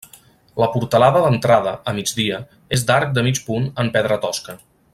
La portalada d'entrada, a migdia, és d'arc de mig punt en pedra tosca.